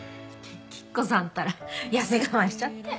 吉子さんったら痩せ我慢しちゃって。